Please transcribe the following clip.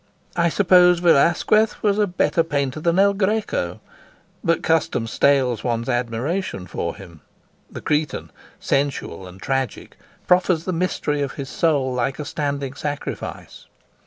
I suppose Velasquez was a better painter than El Greco, but custom stales one's admiration for him: the Cretan, sensual and tragic, proffers the mystery of his soul like a standing sacrifice.